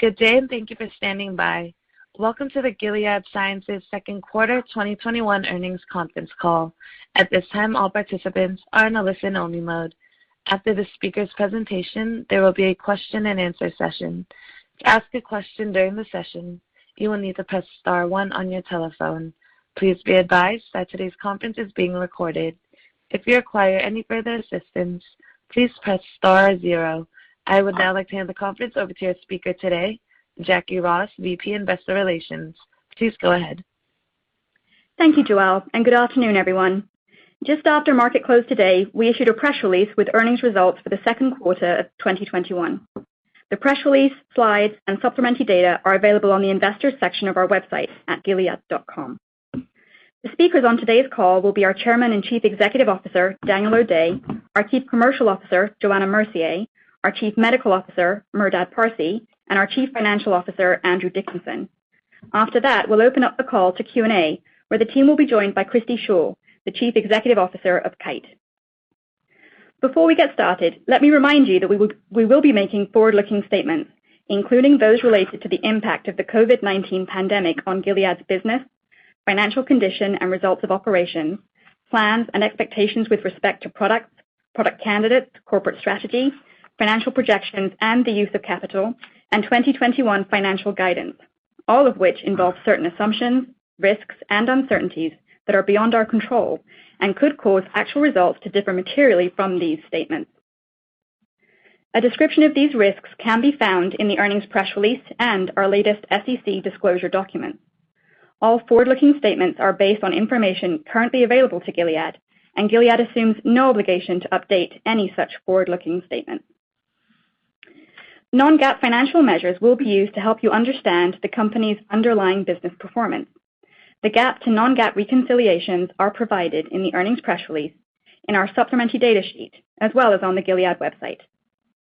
Good day. Thank you for standing by. Welcome to the Gilead Sciences Second Quarter 2021 Earning Conference Call. At this time all participants are on listen-only mode. After the speaker presentation, they'll be a question and answer session. To ask a question during the session, you'll need to press star one on your telephone. Please be advised that this conference is being recorded. If you require any further assistance, please press star zero. I would now like to hand the conference over to your speaker today, Jacquie Ross, VP Investor Relations. Please go ahead. Thank you, Joelle, and good afternoon, everyone. Just after market close today, we issued a press release with earnings results for the second quarter of 2021. The press release, slides, and supplementary data are available on the investors section of our website at gilead.com. The speakers on today's call will be our Chairman and Chief Executive Officer, Dan O'Day, our Chief Commercial Officer, Johanna Mercier, our Chief Medical Officer, Merdad Parsey, and our Chief Financial Officer, Andrew Dickinson. After that, we'll open up the call to Q&A, where the team will be joined by Christi Shaw, the Chief Executive Officer of Kite. Before we get started, let me remind you that we will be making forward-looking statements, including those related to the impact of the COVID-19 pandemic on Gilead's business, financial condition and results of operations, plans and expectations with respect to products, product candidates, corporate strategy, financial projections, and the use of capital and 2021 financial guidance. All of which involve certain assumptions, risks, and uncertainties that are beyond our control and could cause actual results to differ materially from these statements. A description of these risks can be found in the earnings press release and our latest SEC disclosure document. All forward-looking statements are based on information currently available to Gilead, and Gilead assumes no obligation to update any such forward-looking statement. Non-GAAP financial measures will be used to help you understand the company's underlying business performance. The GAAP to non-GAAP reconciliations are provided in the earnings press release in our supplementary data sheet, as well as on the Gilead website.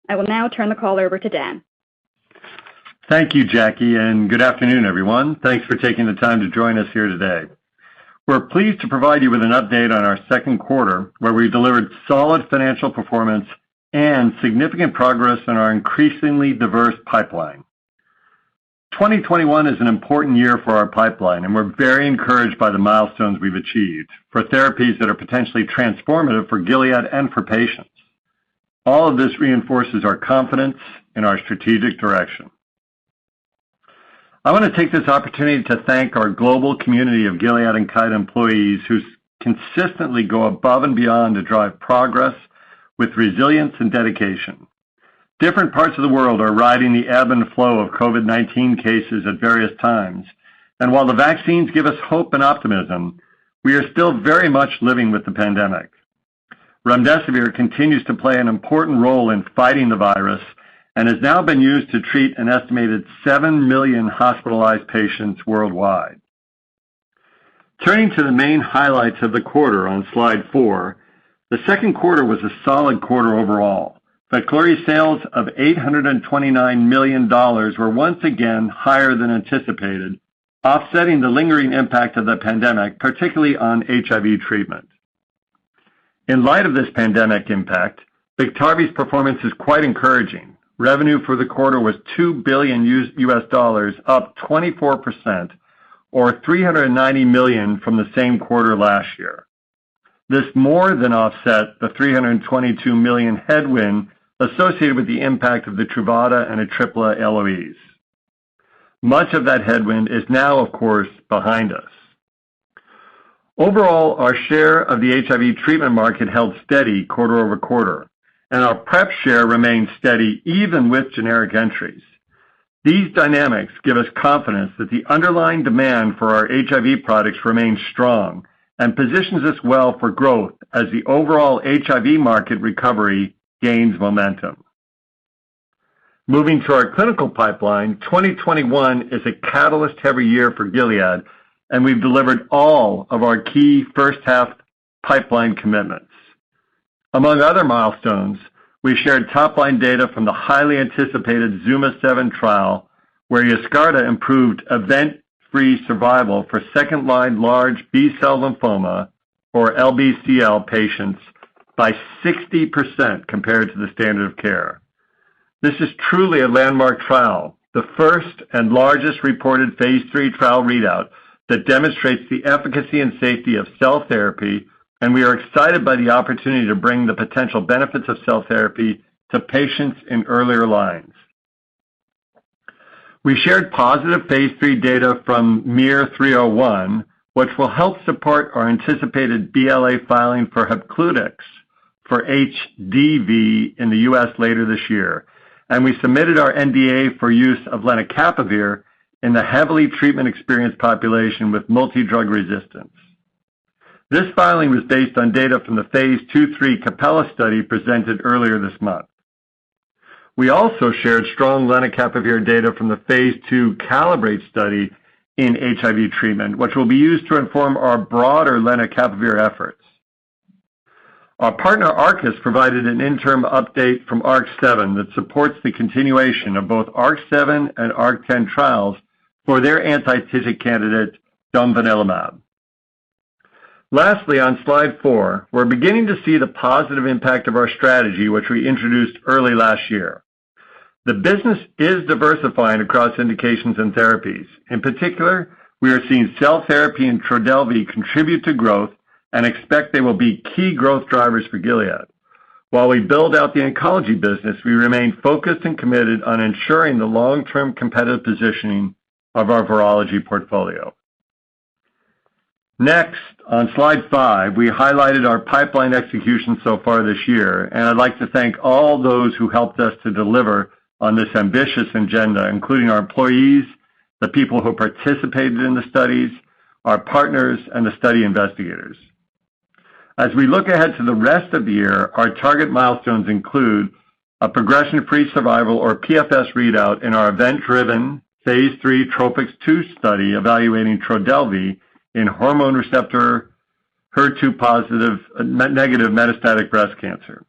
I will now turn the call over to Dan. Thank you, Jacquie, and good afternoon, everyone. Thanks for taking the time to join us here today. We're pleased to provide you with an update on our second quarter, where we delivered solid financial performance and significant progress in our increasingly diverse pipeline. 2021 is an important year for our pipeline. We're very encouraged by the milestones we've achieved for therapies that are potentially transformative for Gilead and for patients. All of this reinforces our confidence in our strategic direction. I want to take this opportunity to thank our global community of Gilead and Kite employees who consistently go above and beyond to drive progress with resilience and dedication. Different parts of the world are riding the ebb and flow of COVID-19 cases at various times. While the vaccines give us hope and optimism, we are still very much living with the pandemic. Remdesivir continues to play an important role in fighting the virus and has now been used to treat an estimated 7 million hospitalized patients worldwide. Turning to the main highlights of the quarter on slide 4, the second quarter was a solid quarter overall. Veklury sales of $829 million were once again higher than anticipated, offsetting the lingering impact of the pandemic, particularly on HIV treatment. In light of this pandemic impact, Biktarvy's performance is quite encouraging. Revenue for the quarter was $2 billion, up 24% or $390 million from the same quarter last year. This more than offset the $322 million headwind associated with the impact of the Truvada and ATRIPLA LOEs. Much of that headwind is now, of course, behind us. Overall, our share of the HIV treatment market held steady quarter-over-quarter, and our PrEP share remained steady even with generic entries. These dynamics give us confidence that the underlying demand for our HIV products remains strong and positions us well for growth as the overall HIV market recovery gains momentum. Moving to our clinical pipeline, 2021 is a catalyst-heavy year for Gilead, and we've delivered all of our key first-half pipeline commitments. Among other milestones, we've shared top-line data from the highly anticipated ZUMA-7 trial, where YESCARTA improved event-free survival for second-line large B-cell lymphoma or LBCL patients by 60% compared to the standard of care. This is truly a landmark trial, the first and largest reported phase III trial readout that demonstrates the efficacy and safety of cell therapy, and we are excited by the opportunity to bring the potential benefits of cell therapy to patients in earlier lines. We shared positive phase III data from 301, which will help support our anticipated BLA filing for Hepcludex for HDV in the U.S. later this year. We submitted our NDA for use of lenacapavir in the heavily treatment-experienced population with multi-drug resistance. This filing was based on data from the phase II/III CAPELLA study presented earlier this month. We also shared strong lenacapavir data from the phase II CALIBRATE study in HIV treatment, which will be used to inform our broader lenacapavir efforts. Our partner, Arcus, has provided an interim update from ARC-7 that supports the continuation of both ARC-7 and ARC-10 trials for their anti-TIGIT candidate, domvanalimab. Lastly, on slide four, we're beginning to see the positive impact of our strategy, which we introduced early last year. The business is diversifying across indications and therapies. In particular, we are seeing cell therapy and TRODELVY contribute to growth and expect they will be key growth drivers for Gilead. While we build out the oncology business, we remain focused and committed on ensuring the long-term competitive positioning of our virology portfolio. Next, on slide five, I'd like to thank all those who helped us to deliver on this ambitious agenda, including our employees, the people who participated in the studies, our partners, and the study investigators. We look ahead to the rest of the year, our target milestones include a progression-free survival or PFS readout in our event-driven phase III TROPiCS-02 study evaluating TRODELVY in hormone receptor HER2-negative metastatic breast cancer.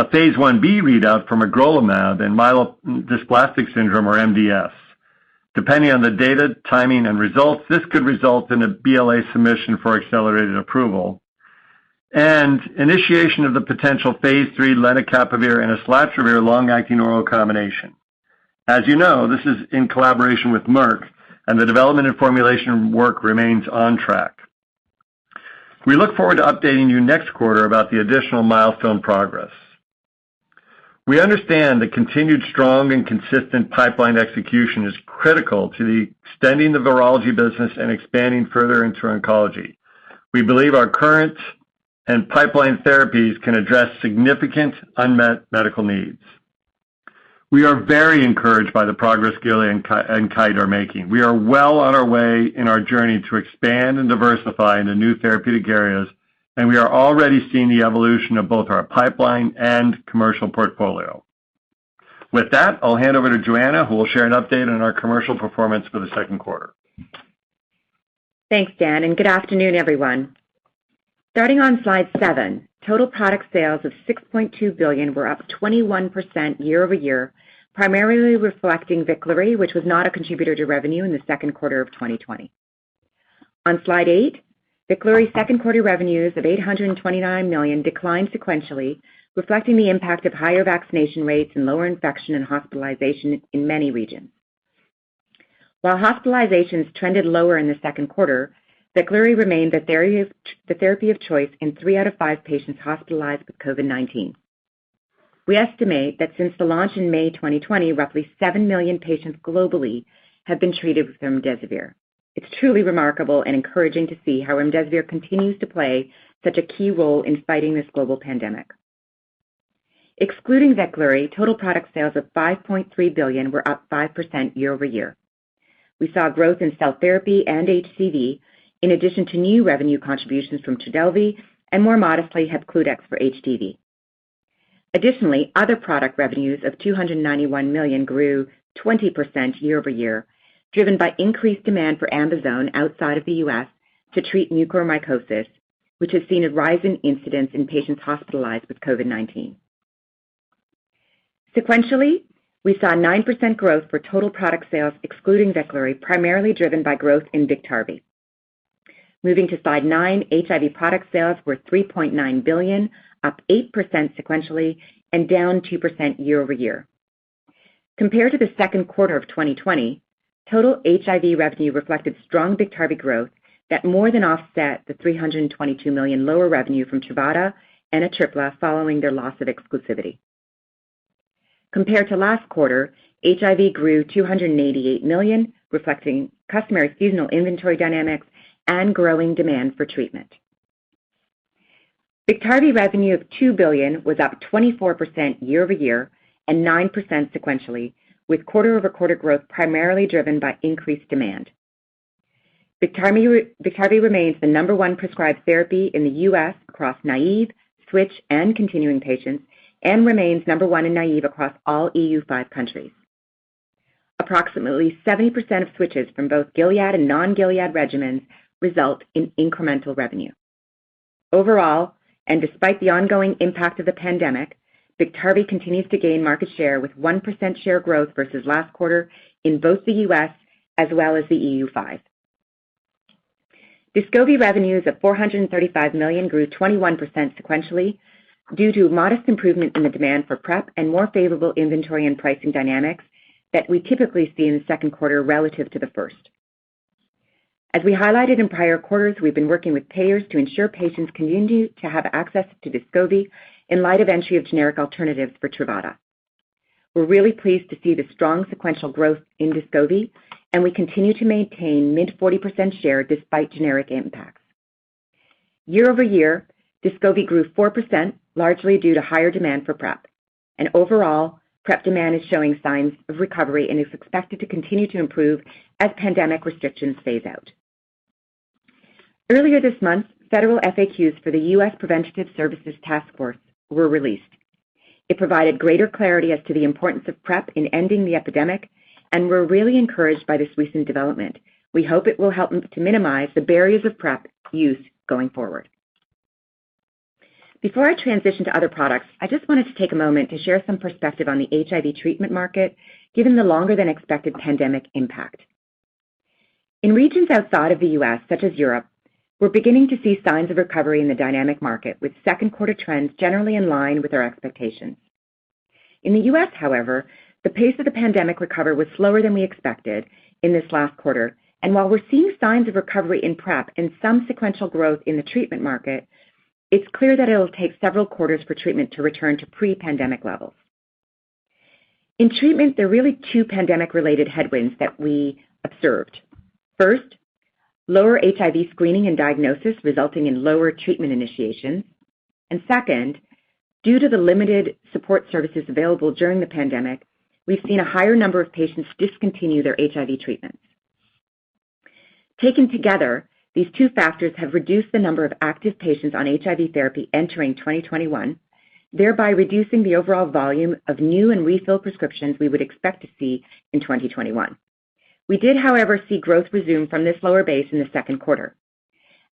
A phase I-B readout from magrolimab in myelodysplastic syndrome, or MDS. Depending on the data, timing, and results, this could result in a BLA submission for accelerated approval and initiation of the potential phase III lenacapavir and islatravir long-acting oral combination. As you know, this is in collaboration with Merck, and the development and formulation work remains on track. We look forward to updating you next quarter about the additional milestone progress. We understand that continued strong and consistent pipeline execution is critical to extending the virology business and expanding further into oncology. We believe our current and pipeline therapies can address significant unmet medical needs. We are very encouraged by the progress Gilead and Kite are making. We are well on our way in our journey to expand and diversify into new therapeutic areas, and we are already seeing the evolution of both our pipeline and commercial portfolio. With that, I'll hand over to Johanna, who will share an update on our commercial performance for the second quarter. Thanks, Dan. Good afternoon, everyone. Starting on slide 7, total product sales of $6.2 billion were up 21% year-over-year, primarily reflecting Veklury, which was not a contributor to revenue in the second quarter of 2020. On slide 8, Veklury's second-quarter revenues of $829 million declined sequentially, reflecting the impact of higher vaccination rates and lower infection and hospitalization in many regions. While hospitalizations trended lower in the second quarter, Veklury remained the therapy of choice in 3 out of 5 patients hospitalized with COVID-19. We estimate that since the launch in May 2020, roughly 7 million patients globally have been treated with remdesivir. It's truly remarkable and encouraging to see how remdesivir continues to play such a key role in fighting this global pandemic. Excluding Veklury, total product sales of $5.3 billion were up 5% year-over-year. We saw growth in cell therapy and HCV, in addition to new revenue contributions from TRODELVY and more modestly Hepcludex for HDV. Additionally, other product revenues of $291 million grew 20% year-over-year, driven by increased demand for AmBisome outside of the U.S. to treat mucormycosis, which has seen a rise in incidence in patients hospitalized with COVID-19. Sequentially, we saw 9% growth for total product sales excluding Veklury, primarily driven by growth in Biktarvy. Moving to slide 9, HIV product sales were $3.9 billion, up 8% sequentially and down 2% year-over-year. Compared to the second quarter of 2020, total HIV revenue reflected strong Biktarvy growth that more than offset the $322 million lower revenue from Truvada and ATRIPLA following their loss of exclusivity. Compared to last quarter, HIV grew $288 million, reflecting customary seasonal inventory dynamics and growing demand for treatment. Biktarvy revenue of $2 billion was up 24% year-over-year and 9% sequentially, with quarter-over-quarter growth primarily driven by increased demand. Biktarvy remains the number one prescribed therapy in the U.S. across naive, switch, and continuing patients, and remains number one in naive across all EU5 countries. Approximately 70% of switches from both Gilead and non-Gilead regimens result in incremental revenue. Overall, and despite the ongoing impact of the pandemic, Biktarvy continues to gain market share with 1% share growth versus last quarter in both the U.S. as well as the EU5. DESCOVY revenues of $435 million grew 21% sequentially due to modest improvement in the demand for PrEP and more favorable inventory and pricing dynamics that we typically see in the second quarter relative to the first. As we highlighted in prior quarters, we've been working with payers to ensure patients continue to have access to DESCOVY in light of entry of generic alternatives for Truvada. We're really pleased to see the strong sequential growth in DESCOVY, we continue to maintain mid 40% share despite generic impacts. Year-over-year, DESCOVY grew 4%, largely due to higher demand for PrEP. Overall, PrEP demand is showing signs of recovery and is expected to continue to improve as pandemic restrictions phase out. Earlier this month, federal FAQs for the U.S. Preventive Services Task Force were released. It provided greater clarity as to the importance of PrEP in ending the epidemic, and we're really encouraged by this recent development. We hope it will help to minimize the barriers of PrEP use going forward. Before I transition to other products, I just wanted to take a moment to share some perspective on the HIV treatment market, given the longer than expected pandemic impact. In regions outside of the U.S., such as Europe, we're beginning to see signs of recovery in the dynamic market, with second quarter trends generally in line with our expectations. In the U.S., however, the pace of the pandemic recovery was slower than we expected in this last quarter, and while we're seeing signs of recovery in PrEP and some sequential growth in the treatment market, it's clear that it'll take several quarters for treatment to return to pre-pandemic levels. In treatment, there are really two pandemic-related headwinds that we observed. First, lower HIV screening and diagnosis resulting in lower treatment initiation. Second, due to the limited support services available during the pandemic, we've seen a higher number of patients discontinue their HIV treatment. Taken together, these two factors have reduced the number of active patients on HIV therapy entering 2021, thereby reducing the overall volume of new and refill prescriptions we would expect to see in 2021. We did, however, see growth resume from this lower base in the second quarter.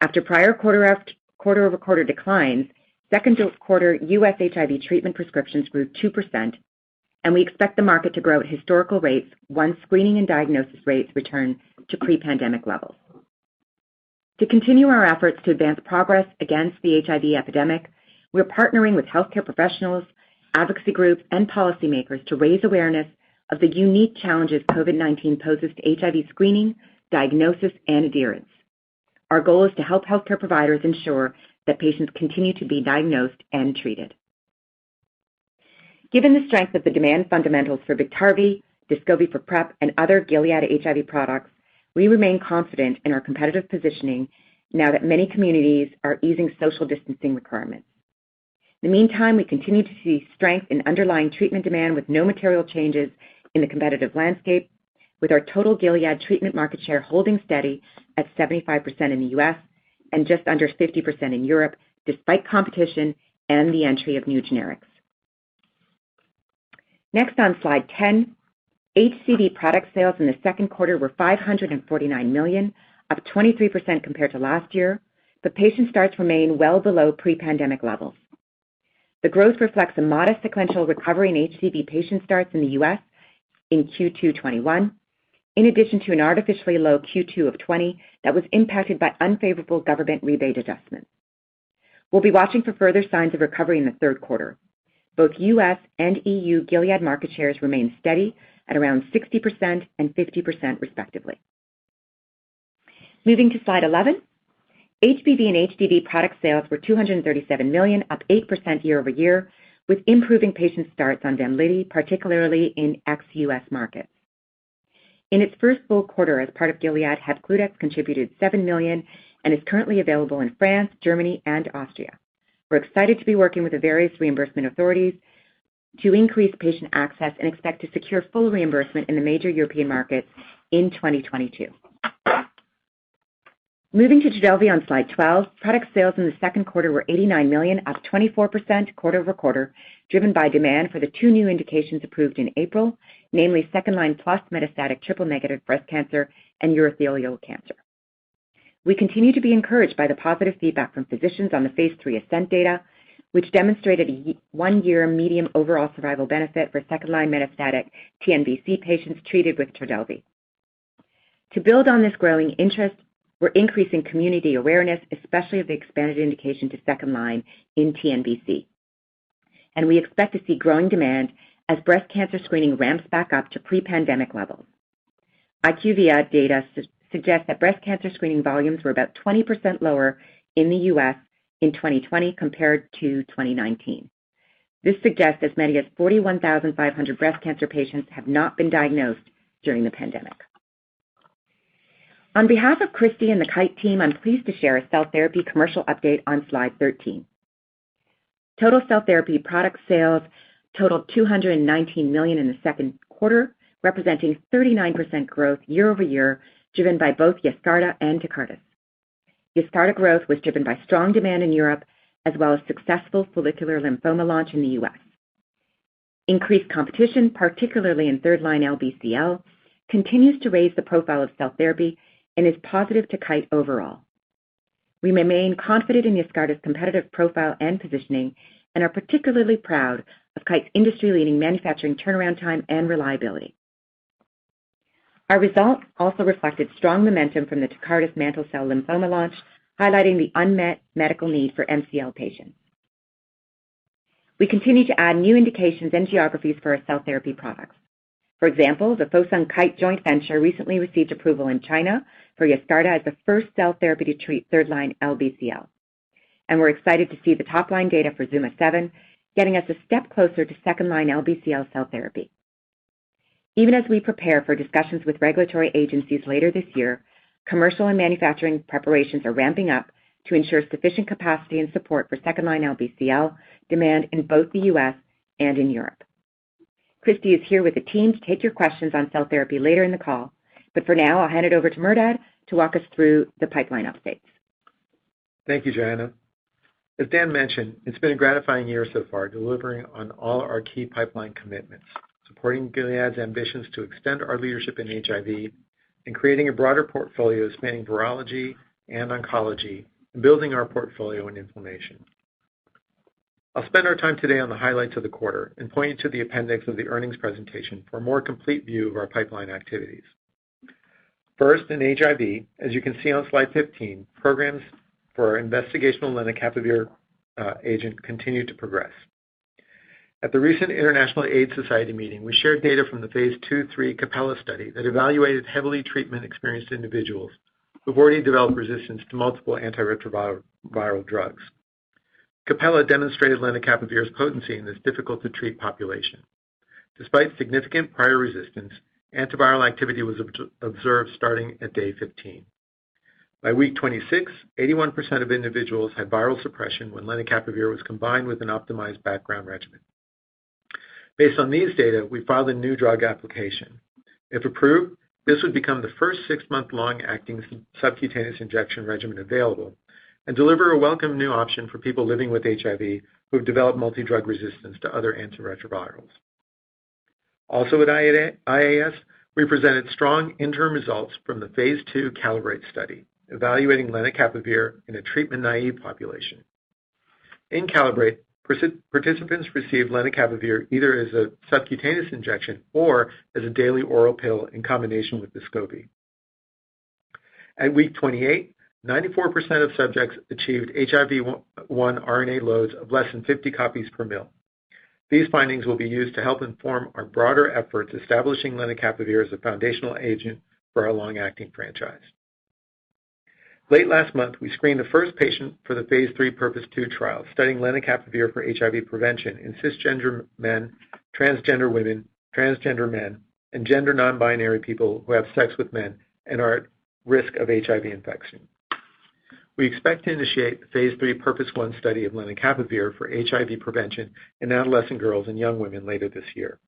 After prior quarter-over-quarter declines, second quarter U.S. HIV treatment prescriptions grew 2%, and we expect the market to grow at historical rates once screening and diagnosis rates return to pre-pandemic levels. To continue our efforts to advance progress against the HIV epidemic, we're partnering with healthcare professionals, advocacy groups, and policymakers to raise awareness of the unique challenges COVID-19 poses to HIV screening, diagnosis, and adherence. Our goal is to help healthcare providers ensure that patients continue to be diagnosed and treated. Given the strength of the demand fundamentals for Biktarvy, DESCOVY for PrEP, and other Gilead HIV products, we remain confident in our competitive positioning now that many communities are easing social distancing requirements. In the meantime, we continue to see strength in underlying treatment demand with no material changes in the competitive landscape, with our total Gilead treatment market share holding steady at 75% in the U.S. and just under 50% in Europe, despite competition and the entry of new generics. Next on slide 10, HCV product sales in the second quarter were $549 million, up 23% compared to last year. Patient starts remain well below pre-pandemic levels. The growth reflects a modest sequential recovery in HCV patient starts in the U.S. in Q2 2021, in addition to an artificially low Q2 2020 that was impacted by unfavorable government rebate adjustments. We'll be watching for further signs of recovery in the third quarter. Both U.S. and EU Gilead market shares remain steady at around 60% and 50% respectively. Moving to slide 11, HBV and HDV product sales were $237 million, up 8% year-over-year, with improving patient starts on Vemlidy, particularly in ex-U.S. markets. In its first full quarter as part of Gilead, Hepcludex contributed $7 million and is currently available in France, Germany, and Austria. We're excited to be working with the various reimbursement authorities to increase patient access and expect to secure full reimbursement in the major European markets in 2022. Moving to TRODELVY on slide 12, product sales in the second quarter were $89 million, up 24% quarter-over-quarter, driven by demand for the two new indications approved in April, namely second line plus metastatic triple-negative breast cancer and urothelial cancer. We continue to be encouraged by the positive feedback from physicians on the phase III ASCENT data, which demonstrated a one-year medium overall survival benefit for second-line metastatic TNBC patients treated with TRODELVY. To build on this growing interest, we're increasing community awareness, especially of the expanded indication to second line in TNBC. We expect to see growing demand as breast cancer screening ramps back up to pre-pandemic levels. IQVIA data suggests that breast cancer screening volumes were about 20% lower in the U.S. in 2020 compared to 2019. This suggests as many as 41,500 breast cancer patients have not been diagnosed during the pandemic. On behalf of Christi and the Kite team, I'm pleased to share a cell therapy commercial update on slide 13. Total cell therapy product sales totaled $219 million in the second quarter, representing 39% growth year-over-year, driven by both YESCARTA and TECARTUS. YESCARTA growth was driven by strong demand in Europe as well as successful follicular lymphoma launch in the U.S. Increased competition, particularly in third-line LBCL, continues to raise the profile of cell therapy and is positive to Kite overall. We remain confident in YESCARTA's competitive profile and positioning and are particularly proud of Kite's industry-leading manufacturing turnaround time and reliability. Our results also reflected strong momentum from the TECARTUS mantle cell lymphoma launch, highlighting the unmet medical need for MCL patients. We continue to add new indications and geographies for our cell therapy products. For example, the Fosun Kite joint venture recently received approval in China for YESCARTA as the first cell therapy to treat third-line LBCL, and we're excited to see the top line data for ZUMA-7 getting us a step closer to second-line LBCL cell therapy. Even as we prepare for discussions with regulatory agencies later this year, commercial and manufacturing preparations are ramping up to ensure sufficient capacity and support for second-line LBCL demand in both the U.S. and in Europe. Christi is here with the team to take your questions on cell therapy later in the call, but for now, I'll hand it over to Merdad to walk us through the pipeline updates. Thank you, Johanna. As Dan mentioned, it's been a gratifying year so far, delivering on all our key pipeline commitments. Supporting Gilead's ambitions to extend our leadership in HIV and creating a broader portfolio spanning virology and oncology, and building our portfolio in inflammation. I'll spend our time today on the highlights of the quarter and point you to the appendix of the earnings presentation for a more complete view of our pipeline activities. First, in HIV, as you can see on slide 15, programs for our investigational lenacapavir agent continue to progress. At the recent International AIDS Society meeting, we shared data from the phase II/III CAPELLA study that evaluated heavily treatment-experienced individuals who've already developed resistance to multiple antiretroviral drugs. CAPELLA demonstrated lenacapavir's potency in this difficult-to-treat population. Despite significant prior resistance, antiviral activity was observed starting at day 15. By week 26, 81% of individuals had viral suppression when lenacapavir was combined with an optimized background regimen. Based on these data, we filed a new drug application. If approved, this would become the first six-month long-acting subcutaneous injection regimen available and deliver a welcome new option for people living with HIV who have developed multidrug resistance to other antiretrovirals. Also at IAS, we presented strong interim results from the phase II CALIBRATE study evaluating lenacapavir in a treatment-naïve population. In CALIBRATE, participants received lenacapavir either as a subcutaneous injection or as a daily oral pill in combination with DESCOVY. At week 28, 94% of subjects achieved HIV-1 RNA loads of less than 50 copies per mL. These findings will be used to help inform our broader efforts establishing lenacapavir as a foundational agent for our long-acting franchise. Late last month, we screened the first patient for the phase III PURPOSE 2 trial, studying lenacapavir for HIV prevention in cisgender men, transgender women, transgender men, and gender non-binary people who have sex with men and are at risk of HIV infection. We expect to initiate the phase III PURPOSE 1 study of lenacapavir for HIV prevention in adolescent girls and young women later this year.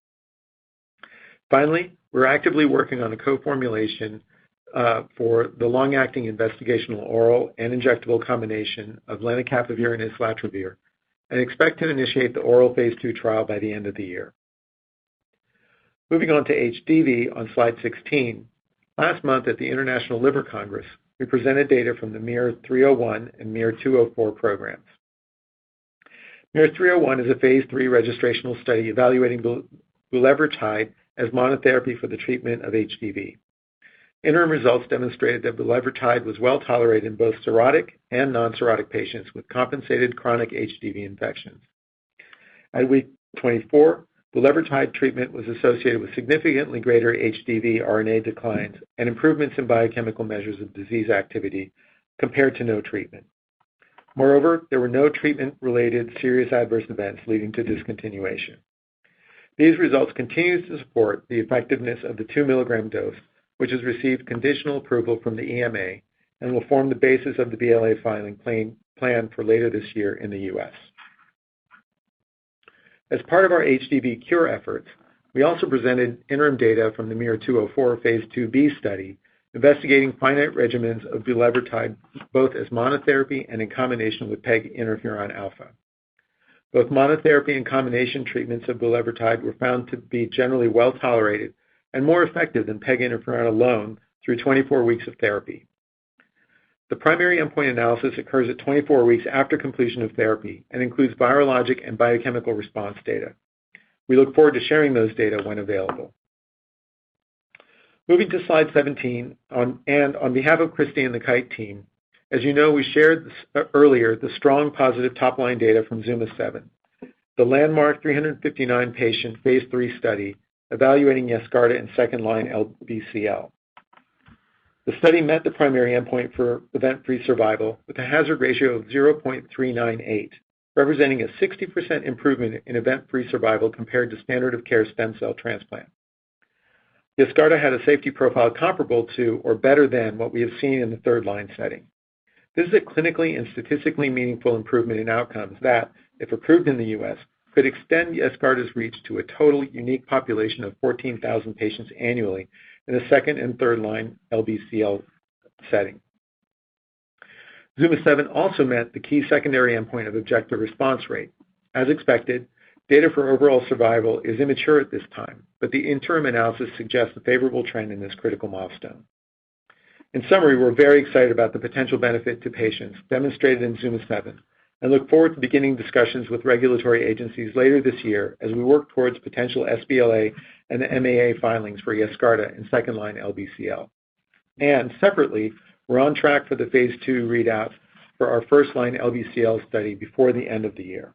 Finally, we're actively working on a co-formulation for the long-acting investigational oral and injectable combination of lenacapavir and islatravir and expect to initiate the oral phase II trial by the end of the year. Moving on to HDV on slide 16. Last month at the International Liver Congress, we presented data from the 301 and 204 programs. 301 is a phase III registrational study evaluating bulevirtide as monotherapy for the treatment of HDV. Interim results demonstrated that bulevirtide was well-tolerated in both cirrhotic and non-cirrhotic patients with compensated chronic HDV infections. At week 24, bulevirtide treatment was associated with significantly greater HDV RNA declines and improvements in biochemical measures of disease activity compared to no treatment. Moreover, there were no treatment-related serious adverse events leading to discontinuation. These results continue to support the effectiveness of the 2-milligram dose, which has received conditional approval from the EMA and will form the basis of the BLA filing plan for later this year in the U.S. As part of our HDV cure efforts, we also presented interim data from the 204 Phase II-B study investigating finite regimens of bulevirtide both as monotherapy and in combination with pegylated interferon alfa. Both monotherapy and combination treatments of bulevirtide were found to be generally well-tolerated and more effective than pegylated interferon alfa alone through 24 weeks of therapy. The primary endpoint analysis occurs at 24 weeks after completion of therapy and includes virologic and biochemical response data. We look forward to sharing those data when available. Moving to slide 17, on behalf of Christi and the Kite team, as you know, we shared earlier the strong positive top-line data from ZUMA-7, the landmark 359-patient phase III study evaluating YESCARTA in second-line LBCL. The study met the primary endpoint for event-free survival with a hazard ratio of 0.398, representing a 60% improvement in event-free survival compared to standard of care stem cell transplant. YESCARTA had a safety profile comparable to or better than what we have seen in the third-line setting. This is a clinically and statistically meaningful improvement in outcomes that, if approved in the U.S., could extend YESCARTA's reach to a total unique population of 14,000 patients annually in a second and third-line LBCL setting. ZUMA-7 also met the key secondary endpoint of objective response rate. As expected, data for overall survival is immature at this time, but the interim analysis suggests a favorable trend in this critical milestone. In summary, we're very excited about the potential benefit to patients demonstrated in ZUMA-7 and look forward to beginning discussions with regulatory agencies later this year as we work towards potential sBLA and the MAA filings for Yescarta in second-line LBCL. Separately, we're on track for the phase II readouts for our first-line LBCL study before the end of the year.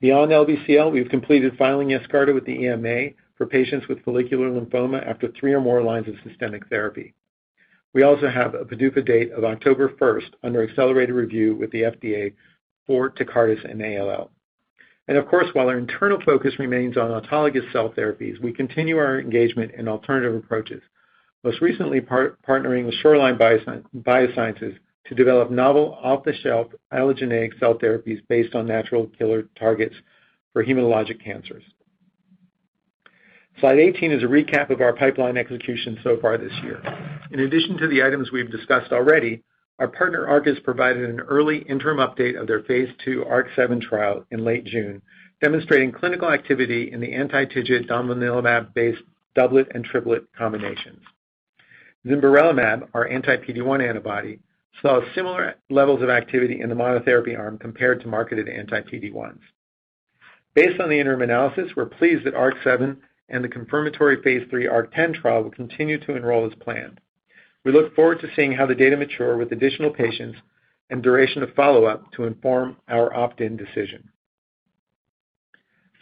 Beyond LBCL, we've completed filing Yescarta with the EMA for patients with follicular lymphoma after three or more lines of systemic therapy. We also have a PDUFA date of October 1st under accelerated review with the FDA for Tecartus and ALL. Of course, while our internal focus remains on autologous cell therapies, we continue our engagement in alternative approaches, most recently partnering with Shoreline Biosciences to develop novel off-the-shelf allogeneic cell therapies based on natural killer targets for hematologic cancers. Slide 18 is a recap of our pipeline execution so far this year. In addition to the items we've discussed already, our partner, Arcus, has provided an early interim update of their phase II ARC-007 trial in late June, demonstrating clinical activity in the anti-TIGIT domvanalimab based doublet and triplet combinations. Zimberelimab, our anti-PD-1 antibody, saw similar levels of activity in the monotherapy arm compared to marketed anti-PD-1s. Based on the interim analysis, we're pleased that ARC-007 and the confirmatory phase III ARC-010 trial will continue to enroll as planned. We look forward to seeing how the data mature with additional patients and duration of follow-up to inform our opt-in decision.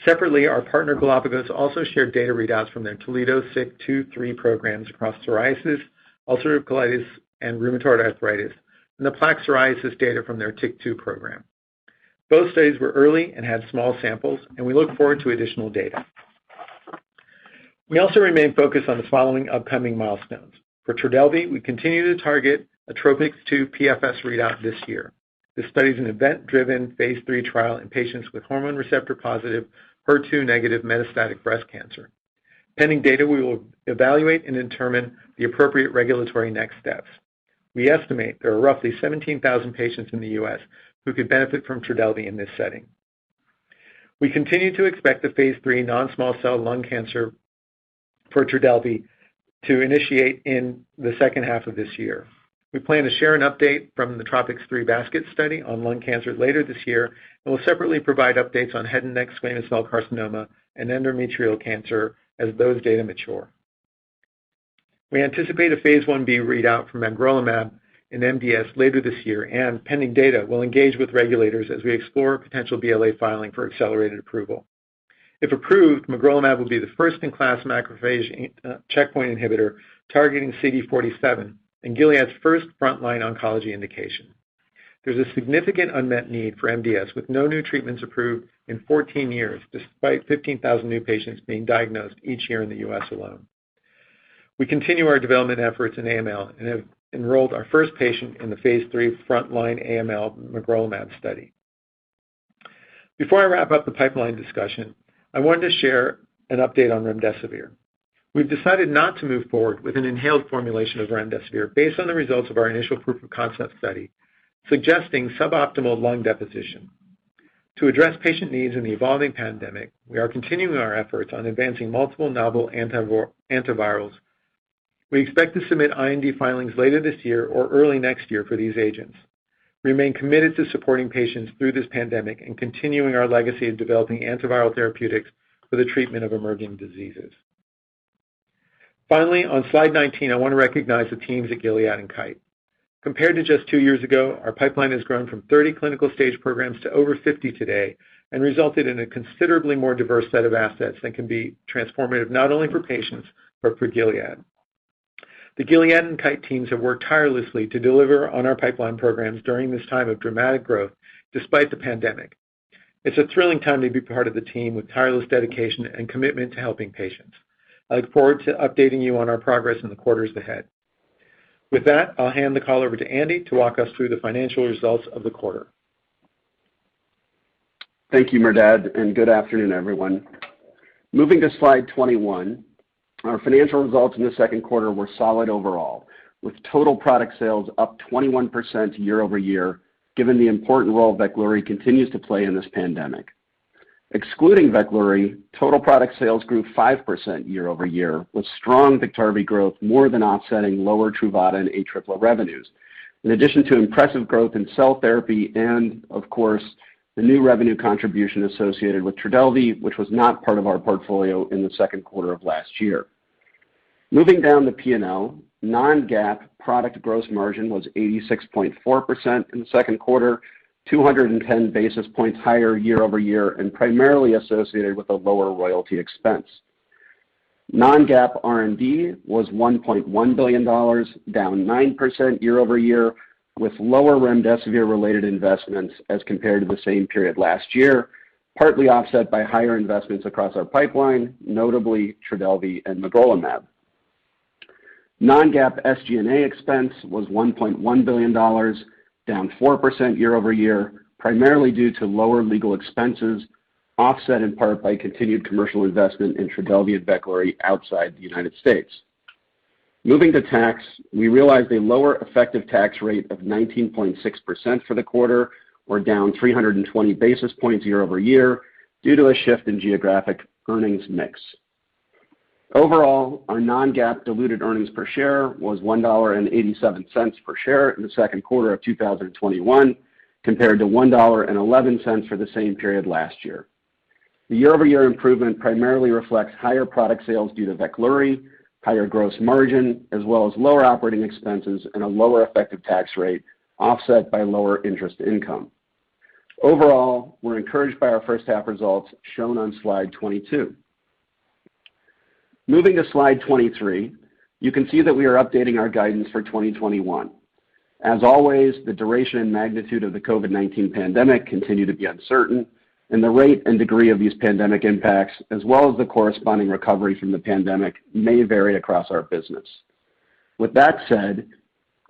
Separately, our partner, Galapagos, also shared data readouts from their Toledo SIK2/3 programs across psoriasis, ulcerative colitis, and rheumatoid arthritis, and the plaque psoriasis data from their TYK2 program. Both studies were early and had small samples, and we look forward to additional data. We also remain focused on the following upcoming milestones. For TRODELVY, we continue to target a TROPiCS-02 PFS readout this year. This study is an event-driven phase III trial in patients with hormone receptor-positive, HER2 negative metastatic breast cancer. Pending data, we will evaluate and determine the appropriate regulatory next steps. We estimate there are roughly 17,000 patients in the U.S. who could benefit from TRODELVY in this setting. We continue to expect the phase III non-small cell lung cancer for TRODELVY to initiate in the second half of this year. We plan to share an update from the TROPiCS-03 basket study on lung cancer later this year, and we'll separately provide updates on head and neck squamous cell carcinoma and endometrial cancer as those data mature. We anticipate a phase I-B readout for magrolimab in MDS later this year, and pending data, we'll engage with regulators as we explore potential BLA filing for accelerated approval. If approved, magrolimab will be the first in class macrophage checkpoint inhibitor targeting CD47 and Gilead's first frontline oncology indication. There's a significant unmet need for MDS, with no new treatments approved in 14 years, despite 15,000 new patients being diagnosed each year in the U.S. alone. We continue our development efforts in AML and have enrolled our first patient in the phase III frontline AML magrolimab study. Before I wrap up the pipeline discussion, I wanted to share an update on remdesivir. We've decided not to move forward with an inhaled formulation of remdesivir based on the results of our initial proof of concept study, suggesting suboptimal lung deposition. To address patient needs in the evolving pandemic, we are continuing our efforts on advancing multiple novel antivirals. We expect to submit IND filings later this year or early next year for these agents. We remain committed to supporting patients through this pandemic and continuing our legacy of developing antiviral therapeutics for the treatment of emerging diseases. Finally, on Slide 19, I want to recognize the teams at Gilead and Kite. Compared to just two years ago, our pipeline has grown from 30 clinical stage programs to over 50 today and resulted in a considerably more diverse set of assets that can be transformative, not only for patients, but for Gilead. The Gilead and Kite teams have worked tirelessly to deliver on our pipeline programs during this time of dramatic growth, despite the pandemic. It's a thrilling time to be part of the team with tireless dedication and commitment to helping patients. I look forward to updating you on our progress in the quarters ahead. With that, I'll hand the call over to Andy to walk us through the financial results of the quarter. Thank you, Merdad, and good afternoon, everyone. Moving to slide 21, our financial results in the second quarter were solid overall, with total product sales up 21% year-over-year, given the important role Veklury continues to play in this pandemic. Excluding Veklury, total product sales grew 5% year-over-year, with strong Biktarvy growth more than offsetting lower Truvada and ATRIPLA revenues. In addition to impressive growth in cell therapy and, of course, the new revenue contribution associated with TRODELVY, which was not part of our portfolio in the second quarter of last year. Moving down to P&L, non-GAAP product gross margin was 86.4% in the second quarter, 210 basis points higher year-over-year, and primarily associated with a lower royalty expense. Non-GAAP R&D was $1.1 billion, down 9% year-over-year, with lower remdesivir-related investments as compared to the same period last year, partly offset by higher investments across our pipeline, notably TRODELVY and magrolimab. Non-GAAP SG&A expense was $1.1 billion, down 4% year-over-year, primarily due to lower legal expenses, offset in part by continued commercial investment in TRODELVY and Veklury outside the U.S. Moving to tax, we realized a lower effective tax rate of 19.6% for the quarter. We're down 320 basis points year-over-year due to a shift in geographic earnings mix. Overall, our non-GAAP diluted earnings per share was $1.87 per share in the second quarter of 2021, compared to $1.11 for the same period last year. The year-over-year improvement primarily reflects higher product sales due to Veklury, higher gross margin, as well as lower operating expenses and a lower effective tax rate, offset by lower interest income. Overall, we're encouraged by our first half results, shown on slide 22. Moving to slide 23, you can see that we are updating our guidance for 2021. As always, the duration and magnitude of the COVID-19 pandemic continue to be uncertain, and the rate and degree of these pandemic impacts, as well as the corresponding recovery from the pandemic, may vary across our business. With that said,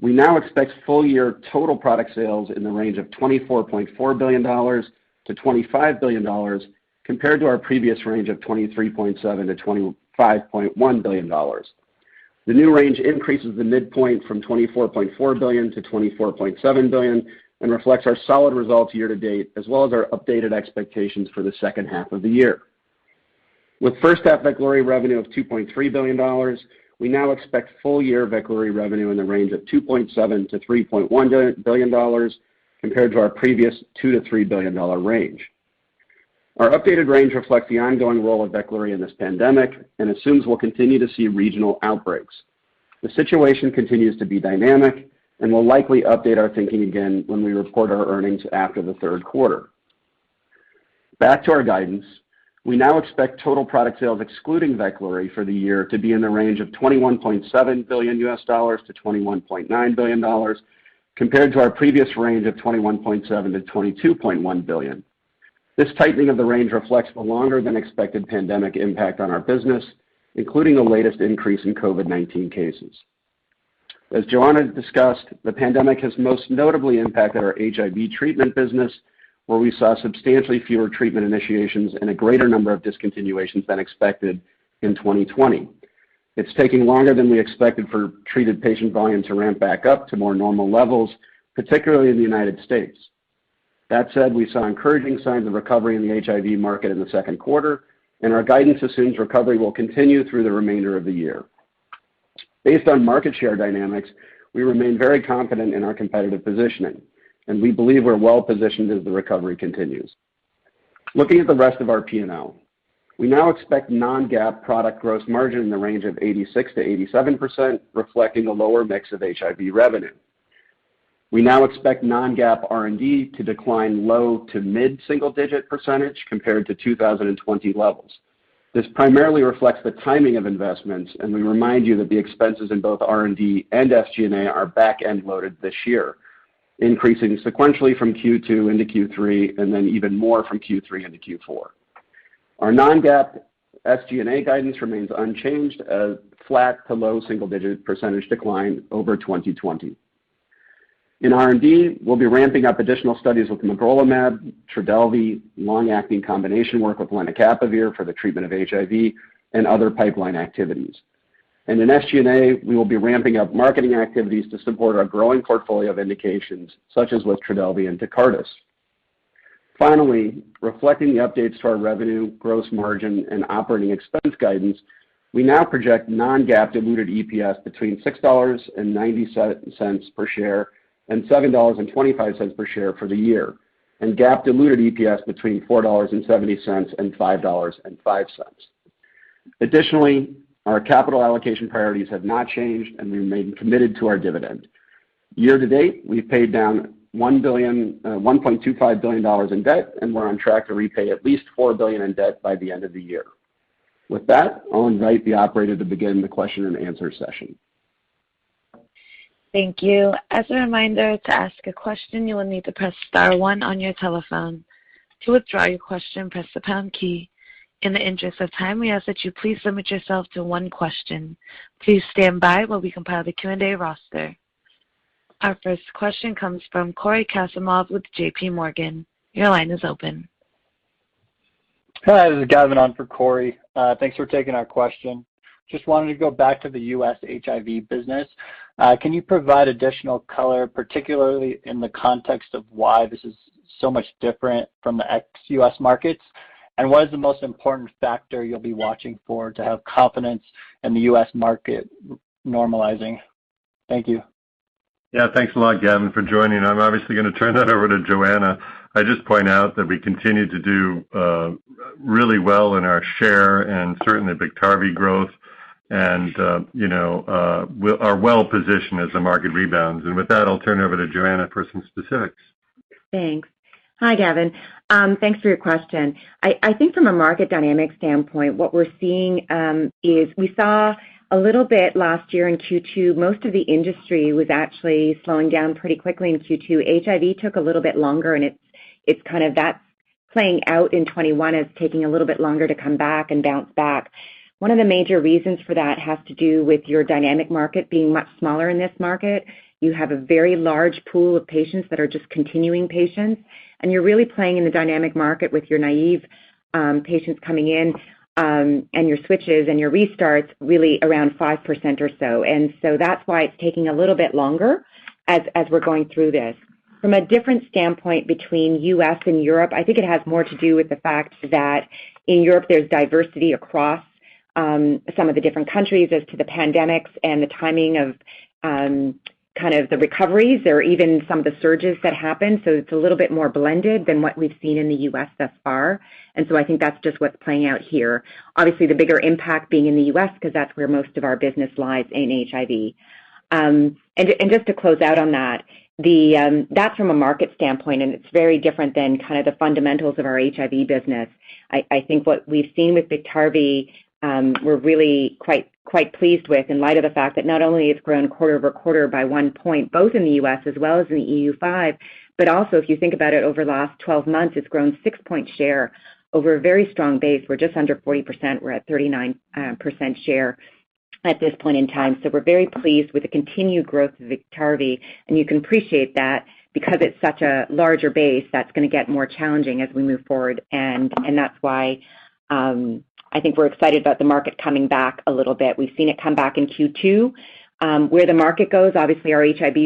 we now expect full-year total product sales in the range of $24.4 billion-$25 billion, compared to our previous range of $23.7 billion-$25.1 billion. The new range increases the midpoint from $24.4 billion-$24.7 billion and reflects our solid results year-to-date, as well as our updated expectations for the second half of the year. With first half Veklury revenue of $2.3 billion, we now expect full year Veklury revenue in the range of $2.7 billion-$3.1 billion, compared to our previous $2 billion-$3 billion range. Our updated range reflects the ongoing role of Veklury in this pandemic and assumes we'll continue to see regional outbreaks. The situation continues to be dynamic. We'll likely update our thinking again when we report our earnings after the third quarter. Back to our guidance. We now expect total product sales excluding Veklury for the year to be in the range of $21.7 billion-$21.9 billion, compared to our previous range of $21.7 billion-$22.1 billion. This tightening of the range reflects the longer than expected pandemic impact on our business, including the latest increase in COVID-19 cases. As Johanna discussed, the pandemic has most notably impacted our HIV treatment business, where we saw substantially fewer treatment initiations and a greater number of discontinuations than expected in 2020. It's taking longer than we expected for treated patient volume to ramp back up to more normal levels, particularly in the United States. That said, we saw encouraging signs of recovery in the HIV market in the second quarter, and our guidance assumes recovery will continue through the remainder of the year. Based on market share dynamics, we remain very confident in our competitive positioning, and we believe we're well-positioned as the recovery continues. Looking at the rest of our P&L, we now expect non-GAAP product gross margin in the range of 86%-87%, reflecting a lower mix of HIV revenue. We now expect non-GAAP R&D to decline low to mid-single digit percentage compared to 2020 levels. This primarily reflects the timing of investments. We remind you that the expenses in both R&D and SG&A are back-end loaded this year, increasing sequentially from Q2 into Q3, then even more from Q3 into Q4. Our non-GAAP SG&A guidance remains unchanged at flat to low single-digit percentage decline over 2020. In R&D, we'll be ramping up additional studies with magrolimab, TRODELVY, long-acting combination work with lenacapavir for the treatment of HIV and other pipeline activities. In SG&A, we will be ramping up marketing activities to support our growing portfolio of indications, such as with TRODELVY and TECARTUS. Finally, reflecting the updates to our revenue, gross margin, and operating expense guidance, we now project non-GAAP diluted EPS between $6.90-$7.25 per share for the year, and GAAP diluted EPS between $4.70-$5.05. Additionally, our capital allocation priorities have not changed, and we remain committed to our dividend. Year-to-date, we've paid down $1.25 billion in debt, and we're on track to repay at least $4 billion in debt by the end of the year. With that, I'll invite the operator to begin the question and answer session. Thank you. As a reminder, to ask a question, you will need to press star one on your telephone. To withdraw your question, press the pound key. In the interest of time, we ask that you please limit yourself to one question. Please stand by while we compile the Q&A roster. Our first question comes from Cory Kasimov with J.P. Morgan. Your line is open. Hi, this is Gavin on for Cory. Thanks for taking our question. Just wanted to go back to the U.S. HIV business. Can you provide additional color, particularly in the context of why this is so much different from the ex-U.S. markets? What is the most important factor you'll be watching for to have confidence in the U.S. market normalizing? Thank you. Yeah. Thanks a lot, Gavin, for joining. I'm obviously going to turn that over to Johanna. I'd just point out that we continue to do really well in our share and certainly Biktarvy growth and are well-positioned as the market rebounds. With that, I'll turn it over to Johanna for some specifics. Thanks. Hi, Gavin. Thanks for your question. I think from a market dynamic standpoint, what we're seeing is we saw a little bit last year in Q2, most of the industry was actually slowing down pretty quickly in Q2. It's kind of that playing out in 2021. It's taking a little bit longer to come back and bounce back. One of the major reasons for that has to do with your dynamic market being much smaller in this market. You have a very large pool of patients that are just continuing patients, and you're really playing in the dynamic market with your naive patients coming in and your switches and your restarts really around 5% or so. That's why it's taking a little bit longer as we're going through this. From a different standpoint between U.S. and Europe, I think it has more to do with the fact that in Europe, there's diversity across some of the different countries as to the pandemics and the timing of the recoveries or even some of the surges that happened. It's a little bit more blended than what we've seen in the U.S. thus far. I think that's just what's playing out here. Obviously, the bigger impact being in the U.S. because that's where most of our business lies in HIV. Just to close out on that's from a market standpoint, and it's very different than the fundamentals of our HIV business. I think what we've seen with Biktarvy, we're really quite pleased with in light of the fact that not only it's grown quarter-over-quarter by 1 point, both in the U.S. as well as in the EU5, but also if you think about it over the last 12 months, it's grown 6-point share over a very strong base. We're just under 40%. We're at 39% share at this point in time. We're very pleased with the continued growth of Biktarvy, and you can appreciate that because it's such a larger base, that's going to get more challenging as we move forward. That's why I think we're excited about the market coming back a little bit. We've seen it come back in Q2. Where the market goes, obviously our HIV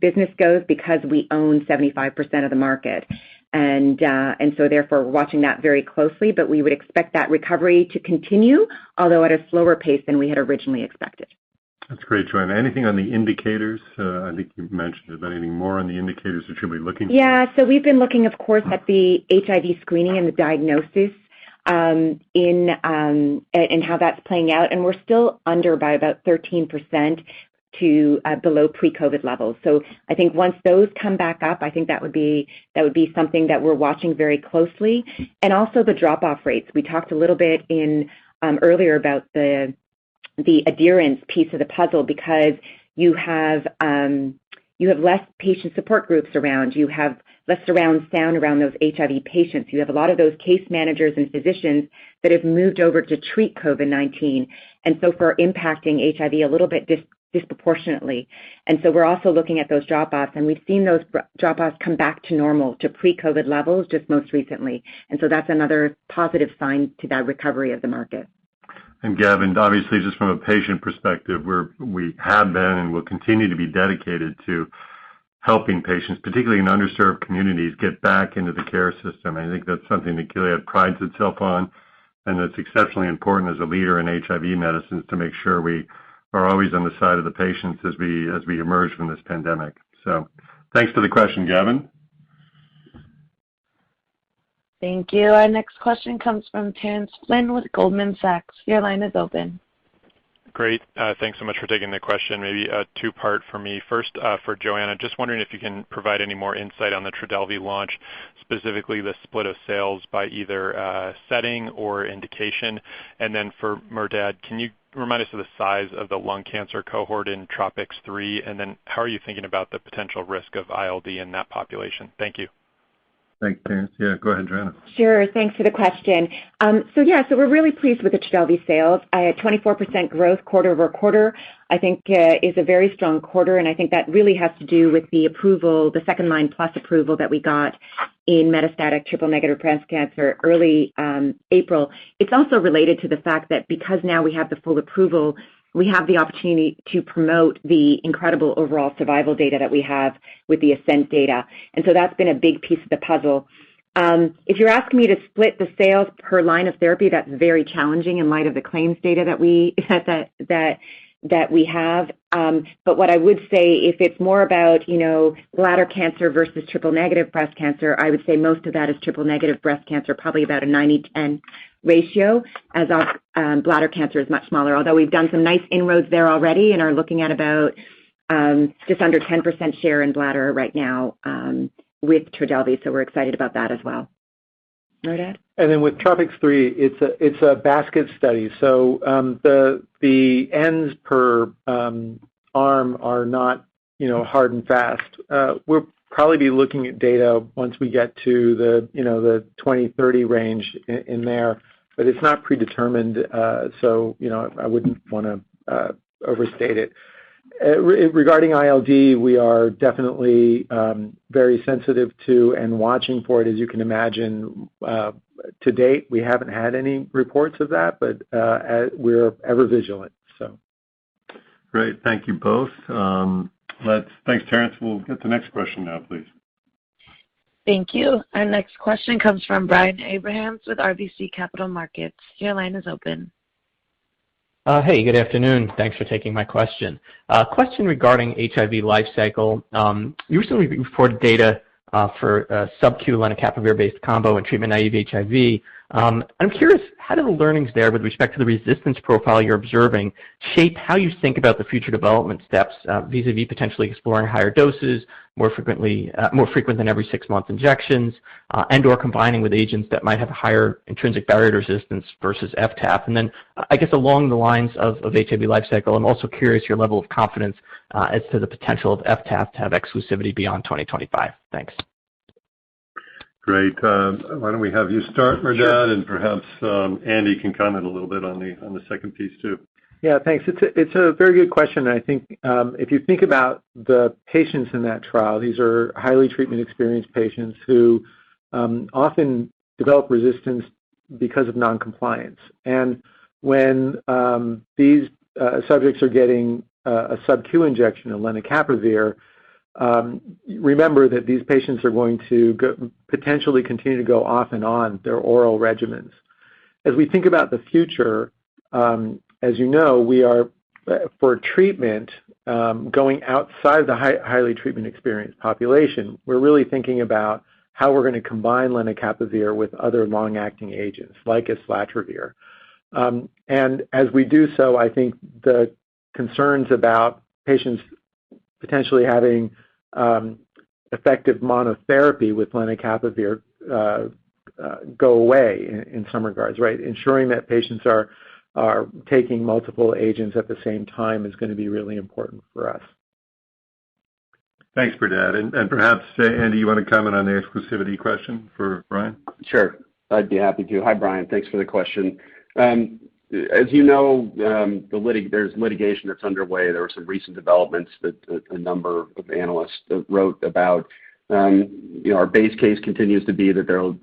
business goes because we own 75% of the market. Therefore we're watching that very closely. We would expect that recovery to continue, although at a slower pace than we had originally expected. That's great, Johanna. Anything on the indicators? I think you've mentioned, but anything more on the indicators that you'll be looking for? Yeah. We've been looking, of course, at the HIV screening and the diagnosis, and how that's playing out, and we're still under by about 13% to below pre-COVID levels. I think once those come back up, I think that would be something that we're watching very closely. Also the drop-off rates. We talked a little bit in earlier about the adherence piece of the puzzle, because you have less patient support groups around, you have less around sound around those HIV patients. You have a lot of those case managers and physicians that have moved over to treat COVID-19, and so far impacting HIV a little bit disproportionately. We're also looking at those drop-offs, and we've seen those drop-offs come back to normal to pre-COVID levels just most recently. That's another positive sign to that recovery of the market. Gavin, obviously just from a patient perspective, we have been and will continue to be dedicated to helping patients, particularly in underserved communities, get back into the care system. I think that's something that Gilead prides itself on, and that's exceptionally important as a leader in HIV medicines to make sure we are always on the side of the patients as we emerge from this pandemic. Thanks for the question, Gavin. Thank you. Our next question comes from Terence Flynn with Goldman Sachs. Your line is open. Great. Thanks so much for taking the question. Maybe a two-part for me. First, for Johanna, just wondering if you can provide any more insight on the TRODELVY launch, specifically the split of sales by either setting or indication. Then for Merdad, can you remind us of the size of the lung cancer cohort in TROPiCS-03, and how are you thinking about the potential risk of ILD in that population? Thank you. Thanks, Terence. Yeah, go ahead, Johanna. Sure. Thanks for the question. Yeah, so we're really pleased with the TRODELVY sales. A 24% growth quarter-over-quarter I think is a very strong quarter, and I think that really has to do with the approval, the second-line plus approval that we got in metastatic triple-negative breast cancer early April. It's also related to the fact that because now we have the full approval, we have the opportunity to promote the incredible overall survival data that we have with the ASCENT data. That's been a big piece of the puzzle. If you're asking me to split the sales per line of therapy, that's very challenging in light of the claims data that we have. What I would say, if it's more about bladder cancer versus triple-negative breast cancer, I would say most of that is triple-negative breast cancer, probably about a 90/10 ratio as our bladder cancer is much smaller. Although we've done some nice inroads there already and are looking at about just under 10% share in bladder right now with TRODELVY, so we're excited about that as well. Merdad? With TROPiCS-03, it's a basket study. The ends per arm are not hard and fast. We'll probably be looking at data once we get to the 20, 30 range in there, but it's not predetermined, so I wouldn't want to overstate it. Regarding ILD, we are definitely very sensitive to and watching for it, as you can imagine. To date, we haven't had any reports of that, but we're ever vigilant. Great. Thank you both. Thanks, Terence. We'll get the next question now, please. Thank you. Our next question comes from Brian Abrahams with RBC Capital Markets. Your line is open. Hey, good afternoon. Thanks for taking my question. A question regarding HIV lifecycle. You recently reported data for subcu lenacapavir-based combo in treatment-naïve HIV. I'm curious, how do the learnings there with respect to the resistance profile you're observing shape how you think about the future development steps vis-à-vis potentially exploring higher doses more frequent than every six months injections, and/or combining with agents that might have higher intrinsic barrier resistance versus F/TAF? I guess along the lines of HIV lifecycle, I'm also curious your level of confidence as to the potential of F/TAF to have exclusivity beyond 2025. Thanks. Great. Why don't we have you start, Merdad. Sure. Perhaps Andy can comment a little bit on the second piece, too. Yeah. Thanks. It's a very good question. I think if you think about the patients in that trial, these are highly treatment-experienced patients who often develop resistance because of non-compliance. When these subjects are getting a subcu injection of lenacapavir, remember that these patients are going to potentially continue to go off and on their oral regimens. As we think about the future, as you know, we are for treatment going outside the highly treatment-experienced population. We're really thinking about how we're going to combine lenacapavir with other long-acting agents like islatravir. As we do so, I think the concerns about patients potentially having effective monotherapy with lenacapavir go away in some regards, right? Ensuring that patients are taking multiple agents at the same time is going to be really important for us. Thanks, Merdad. Perhaps, Andy, you want to comment on the exclusivity question for Brian? Sure, I'd be happy to. Hi, Brian. Thanks for the question. As you know, there's litigation that's underway. There were some recent developments that a number of analysts wrote about. Our base case continues to be that there will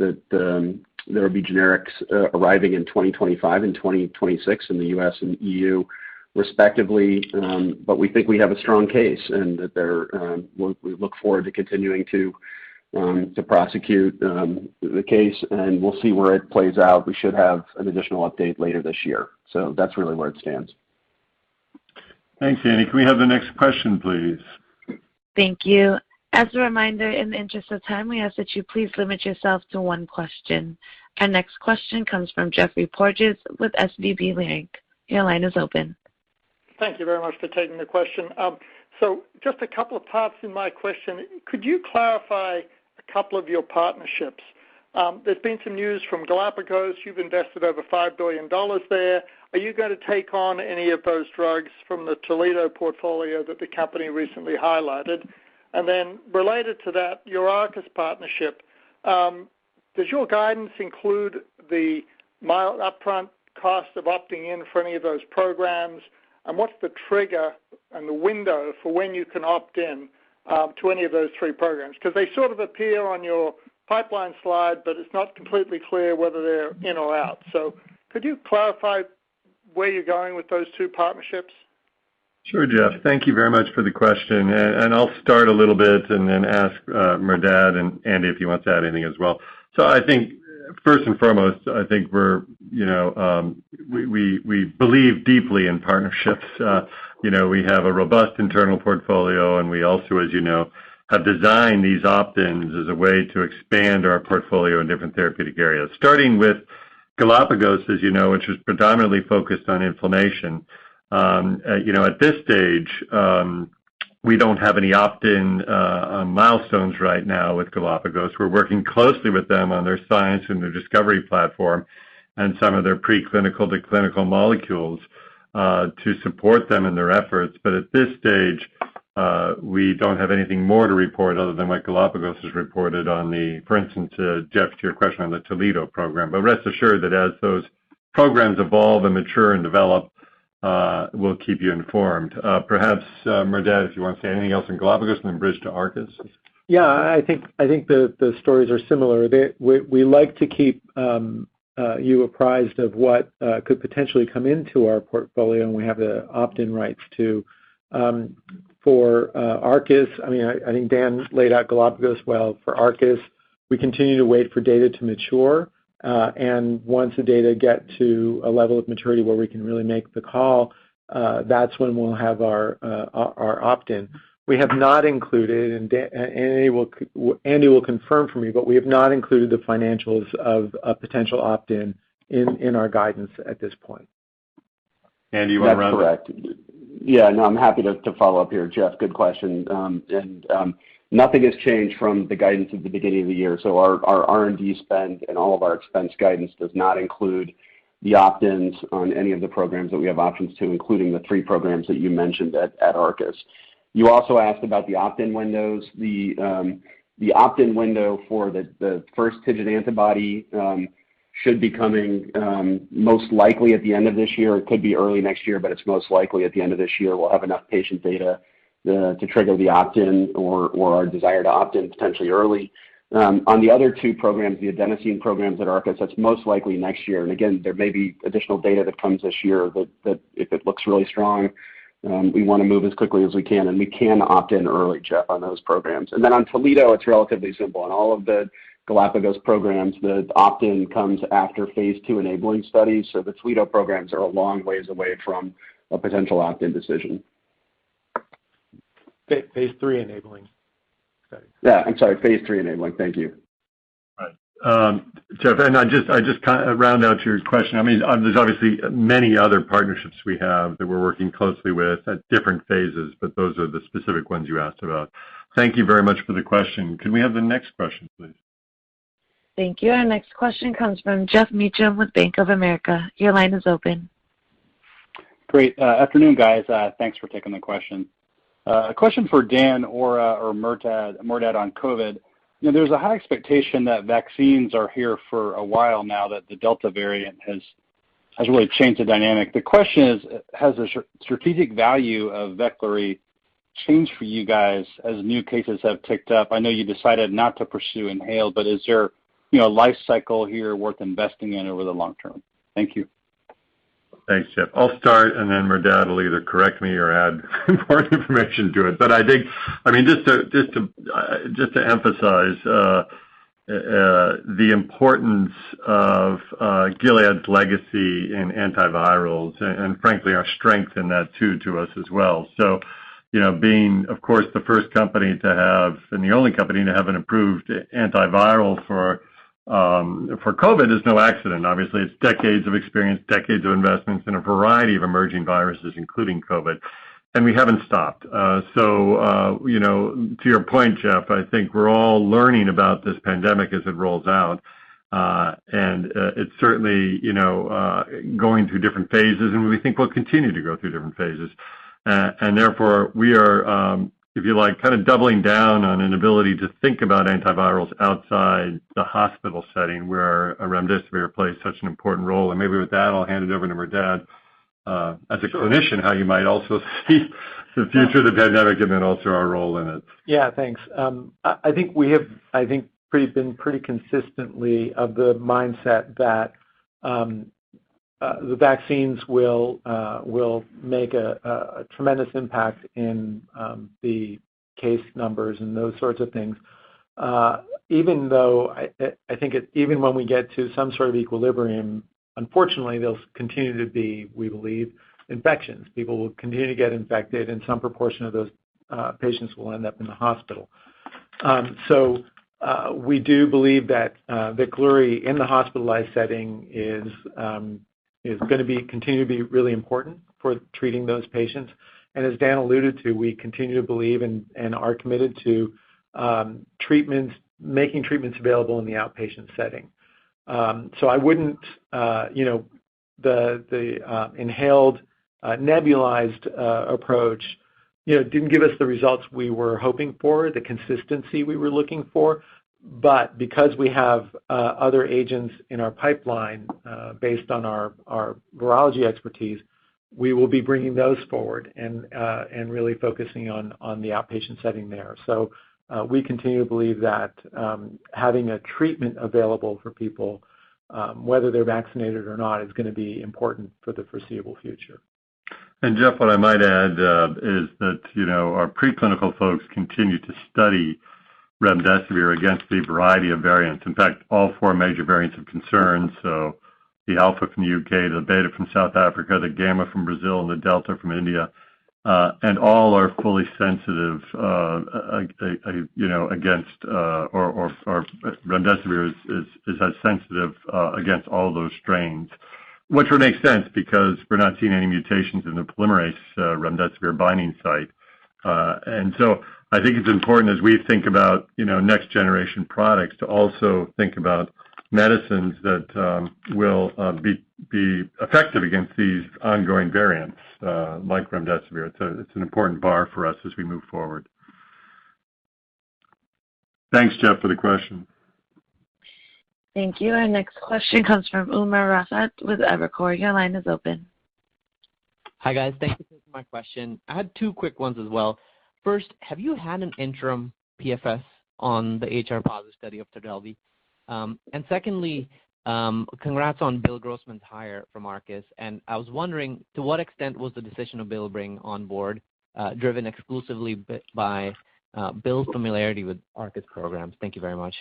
be generics arriving in 2025 and 2026 in the U.S. and EU respectively. We think we have a strong case and that we look forward to continuing to prosecute the case, and we'll see where it plays out. We should have an additional update later this year. That's really where it stands. Thanks, Andy. Can we have the next question, please? Thank you. As a reminder, in the interest of time, we ask that you please limit yourself to one question. Our next question comes from Geoffrey Porges with SVB Leerink. Your line is open. Thank you very much for taking the question. Just a couple of parts to my question. Could you clarify a couple of your partnerships? There's been some news from Galapagos. You've invested over $5 billion there. Are you going to take on any of those drugs from the Toledo portfolio that the company recently highlighted? Related to that, your Arcus partnership, does your guidance include the upfront cost of opting in for any of those programs? What's the trigger and the window for when you can opt in to any of those three programs? They sort of appear on your pipeline slide, but it's not completely clear whether they're in or out. Could you clarify where you're going with those two partnerships? Sure, Geoff, thank you very much for the question. I'll start a little bit and then ask Merdad, and Andrew, if he wants to add anything as well. First and foremost, I think we believe deeply in partnerships. We have a robust internal portfolio, and we also, as you know, have designed these opt-ins as a way to expand our portfolio in different therapeutic areas. Starting with Galapagos, as you know, which is predominantly focused on inflammation. At this stage, we don't have any opt-in milestones right now with Galapagos. We're working closely with them on their science and their discovery platform and some of their preclinical to clinical molecules to support them in their efforts. At this stage, we don't have anything more to report other than what Galapagos has reported on the, for instance, Geoff, to your question on the Toledo program. Rest assured that as those programs evolve and mature and develop, we'll keep you informed. Perhaps, Merdad, if you want to say anything else on Galapagos and then bridge to Arcus. Yeah, I think the stories are similar. We like to keep you apprised of what could potentially come into our portfolio, and we have the opt-in rights too. For Arcus, I think Dan laid out Galapagos well. For Arcus, we continue to wait for data to mature. Once the data get to a level of maturity where we can really make the call, that's when we'll have our opt-in. We have not included, and Andy will confirm for me, but we have not included the financials of a potential opt-in in our guidance at this point. Andy, you want to run with that? That's correct. Yeah, no, I'm happy to follow up here, Geoff. Good question. Nothing has changed from the guidance at the beginning of the year. Our R&D spend and all of our expense guidance does not include the opt-ins on any of the programs that we have options to, including the three programs that you mentioned at Arcus. You also asked about the opt-in windows. The opt-in window for the first TIGIT antibody should be coming most likely at the end of this year. It could be early next year, but it's most likely at the end of this year, we'll have enough patient data to trigger the opt-in or our desire to opt in potentially early. On the other two programs, the adenosine programs at Arcus, that's most likely next year. Again, there may be additional data that comes this year that if it looks really strong, we want to move as quickly as we can, and we can opt in early, Geoff, on those programs. On Toledo, it's relatively simple. On all of the Galapagos programs, the opt-in comes after phase II-enabling studies. The Toledo programs are a long ways away from a potential opt-in decision. Phase III-enabling studies. I'm sorry, phase III-enabling. Thank you. Right. Geoff, I just round out your question. There's obviously many other partnerships we have that we're working closely with at different phases, but those are the specific ones you asked about. Thank you very much for the question. Can we have the next question, please? Thank you. Our next question comes from Geoff Meacham with Bank of America. Your line is open. Great. Afternoon, guys. Thanks for taking the question. A question for Dan or Merdad on COVID. There's a high expectation that vaccines are here for a while now that the Delta variant has really changed the dynamic. The question is, has the strategic value of Veklury changed for you guys as new cases have ticked up? I know you decided not to pursue inhaled, but is there a life cycle here worth investing in over the long term? Thank you. Thanks, Geoff. I'll start, and then Merdad will either correct me or add more information to it. I think just to emphasize the importance of Gilead's legacy in antivirals and frankly, our strength in that too, to us as well. Being, of course, the first company to have and the only company to have an approved antiviral for COVID is no accident. Obviously, it's decades of experience, decades of investments in a variety of emerging viruses, including COVID. We haven't stopped. To your point, Geoff, I think we're all learning about this pandemic as it rolls out. It's certainly going through different phases, and we think we'll continue to go through different phases. Therefore we are, if you like, kind of doubling down on an ability to think about antivirals outside the hospital setting where remdesivir plays such an important role. Maybe with that, I'll hand it over to Merdad. As a clinician- Sure. -how you might also see the future of the pandemic and then also our role in it. Yeah, thanks. I think we have been pretty consistently of the mindset that the vaccines will make a tremendous impact in the case numbers and those sorts of things. Even though I think even when we get to some sort of equilibrium, unfortunately, there's continue to be, we believe, infections. People will continue to get infected and some proportion of those patients will end up in the hospital. We do believe that Veklury in the hospitalized setting is going to continue to be really important for treating those patients. As Dan alluded to, we continue to believe and are committed to making treatments available in the outpatient setting. The inhaled nebulized approach didn't give us the results we were hoping for, the consistency we were looking for, but because we have other agents in our pipeline based on our virology expertise, we will be bringing those forward and really focusing on the outpatient setting there. We continue to believe that having a treatment available for people, whether they're vaccinated or not, is going to be important for the foreseeable future. Geoff, what I might add is that our pre-clinical folks continue to study remdesivir against the variety of variants. In fact, all four major variants of concern, so the Alpha from the U.K., the Beta from South Africa, the Gamma from Brazil, and the Delta from India, and all are fully sensitive against, or remdesivir is as sensitive against all those strains. Which would make sense because we're not seeing any mutations in the polymerase remdesivir binding site. I think it's important as we think about next generation products to also think about medicines that will be effective against these ongoing variants like remdesivir. It's an important bar for us as we move forward. Thanks, Geoff, for the question. Thank you. Our next question comes from Umer Raffat with Evercore. Your line is open. Hi, guys. Thank you for taking my question. I had two quick ones as well. First, have you had an interim PFS on the HR positive study of TRODELVY? Secondly, congrats on Bill Grossman's hire from Arcus Biosciences, and I was wondering to what extent was the decision of Bill being on board driven exclusively by Bill's familiarity with Arcus Biosciences programs? Thank you very much.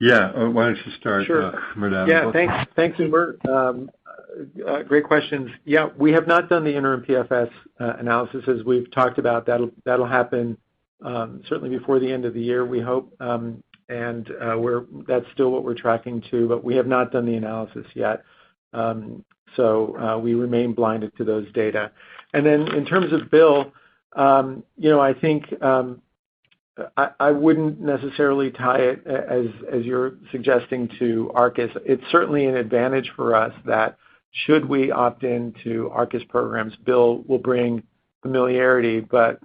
Yeah. Why don't you start- Sure. -Merdad? Yeah. Thanks, Umer. Great questions. Yeah, we have not done the interim PFS analysis. As we've talked about, that'll happen certainly before the end of the year, we hope, and that's still what we're tracking to, but we have not done the analysis yet. We remain blinded to those data. In terms of Bill, I think I wouldn't necessarily tie it as you're suggesting to Arcus. It's certainly an advantage for us that should we opt in to Arcus programs, Bill will bring familiarity. For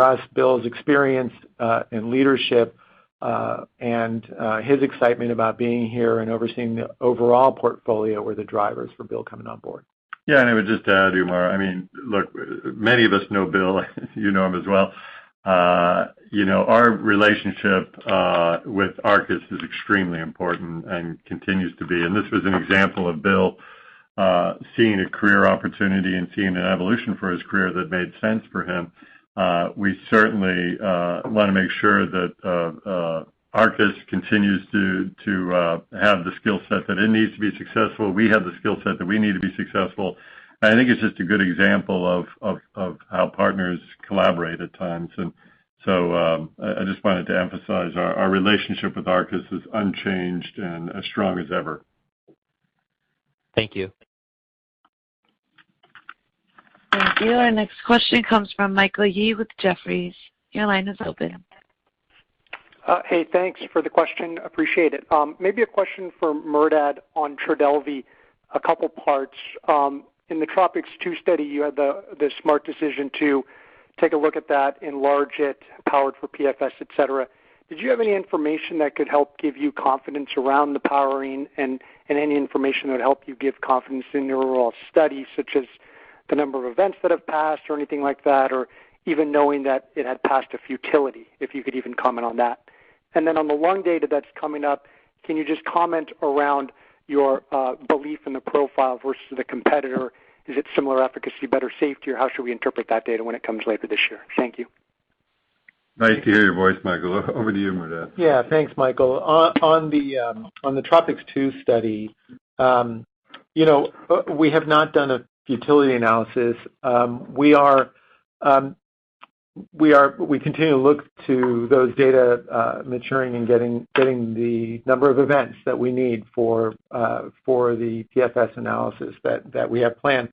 us, Bill's experience and leadership, and his excitement about being here and overseeing the overall portfolio were the drivers for Bill coming on board. Yeah, I would just add, Umer, look, many of us know Bill. You know him as well. Our relationship with Arcus is extremely important and continues to be. This was an example of Bill seeing a career opportunity and seeing an evolution for his career that made sense for him. We certainly want to make sure that Arcus continues to have the skill set that it needs to be successful. We have the skill set that we need to be successful. I think it's just a good example of how partners collaborate at times. I just wanted to emphasize our relationship with Arcus is unchanged and as strong as ever. Thank you. Thank you. Our next question comes from Michael Yee with Jefferies. Your line is open. Hey, thanks for the question. Appreciate it. Maybe a question for Merdad on TRODELVY, a couple parts. In the TROPiCS-02 study, you had the smart decision to take a look at that, enlarge it, power it for PFS, et cetera. Did you have any information that could help give you confidence around the powering and any information that would help you give confidence in the overall study, such as the number of events that have passed or anything like that, or even knowing that it had passed a futility, if you could even comment on that? On the long data that's coming up, can you just comment around your belief in the profile versus the competitor? Is it similar efficacy, better safety, or how should we interpret that data when it comes later this year? Thank you. Nice to hear your voice, Michael. Over to you, Merdad. Thanks, Michael. On the TROPiCS-02 study, we have not done a futility analysis. We continue to look to those data maturing and getting the number of events that we need for the PFS analysis that we have planned.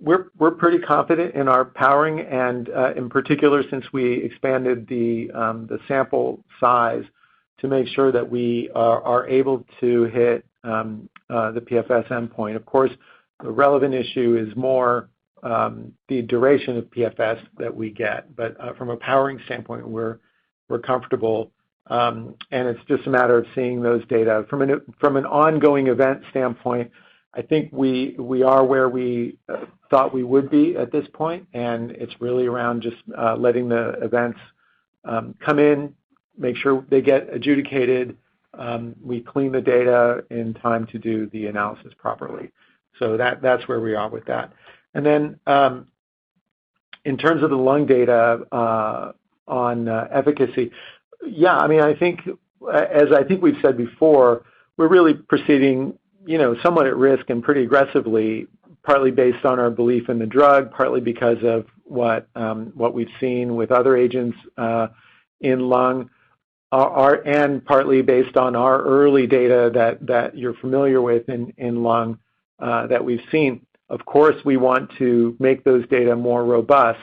We're pretty confident in our powering and, in particular, since we expanded the sample size to make sure that we are able to hit the PFS endpoint. Of course, the relevant issue is more the duration of PFS that we get. From a powering standpoint, we're comfortable, and it's just a matter of seeing those data. From an ongoing event standpoint, I think we are where we thought we would be at this point, and it's really around just letting the events come in, make sure they get adjudicated, we clean the data in time to do the analysis properly. That's where we are with that. Then, in terms of the lung data on efficacy, as I think we've said before, we're really proceeding somewhat at risk and pretty aggressively, partly based on our belief in the drug, partly because of what we've seen with other agents in lung, and partly based on our early data that you're familiar with in lung that we've seen. Of course, we want to make those data more robust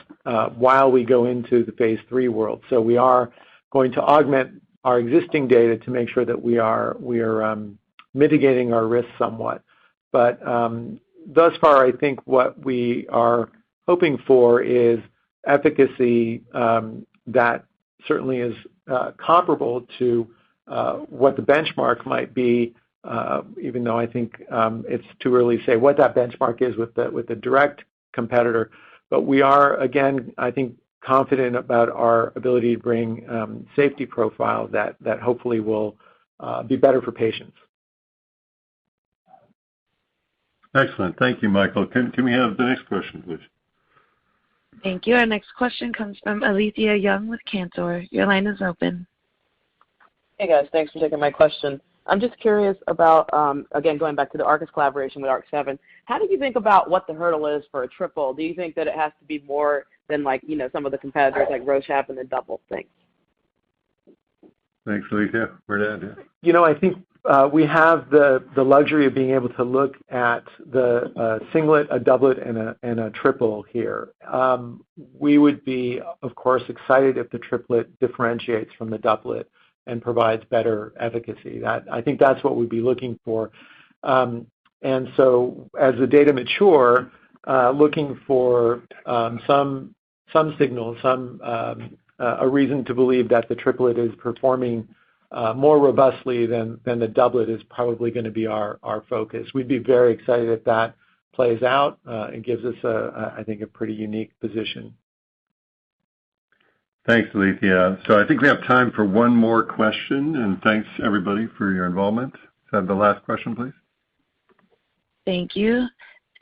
while we go into the phase III world. We are going to augment our existing data to make sure that we are mitigating our risk somewhat. Thus far, I think what we are hoping for is efficacy that certainly is comparable to what the benchmark might be, even though I think it's too early to say what that benchmark is with the direct competitor. We are, again, I think, confident about our ability to bring safety profile that hopefully will be better for patients. Excellent. Thank you, Michael. Can we have the next question, please? Thank you. Our next question comes from Alethia Young with Cantor. Your line is open. Hey, guys. Thanks for taking my question. I'm just curious about, again, going back to the Arcus collaboration with ARC-7, how did you think about what the hurdle is for a triple? Do you think that it has to be more than some of the competitors like Roche have in the double things? Thanks, Alethia. Over to you. I think we have the luxury of being able to look at the singlet, a doublet, and a triplet here. We would be, of course, excited if the triplet differentiates from the doublet and provides better efficacy. I think that's what we'd be looking for. As the data mature, looking for some signal, a reason to believe that the triplet is performing more robustly than the doublet is probably going to be our focus. We'd be very excited if that plays out and gives us, I think, a pretty unique position. Thanks, Alethia. I think we have time for one more question, and thanks everybody for your involvement. Can I have the last question, please? Thank you.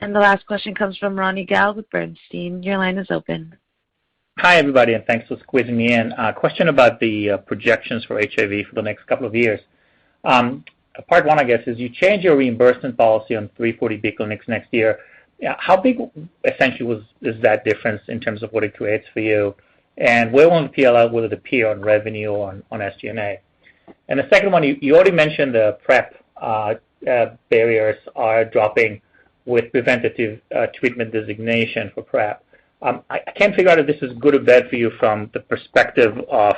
The last question comes from Ronny Gal with Bernstein. Your line is open. Hi, everybody, thanks for squeezing me in. A question about the projections for HIV for the next couple of years. Part one, I guess, is you change your reimbursement policy on 340B clinics next year. How big, essentially, is that difference in terms of what it creates for you? Where will it appear on revenue on SG&A? The second one, you already mentioned the PrEP barriers are dropping with preventative treatment designation for PrEP. I can't figure out if this is good or bad for you from the perspective of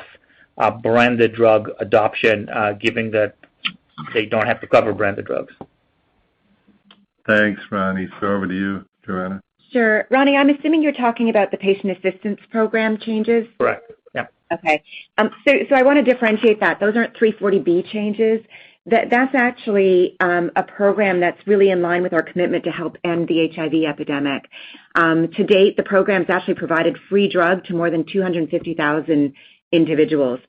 branded drug adoption, given that they don't have to cover branded drugs. Thanks, Ronny. Over to you, Johanna. Sure. Ronny, I'm assuming you're talking about the patient assistance program changes? Correct. Yep. Okay. I want to differentiate that. Those aren't 340B changes. That's actually a program that's really in line with our commitment to help end the HIV epidemic. To date, the program's actually provided free drug to more than 250,000 individuals.